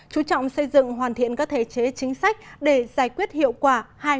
chú trọng xây dựng hoàn thiện các thể chế chính sách để giải quyết hiệu quả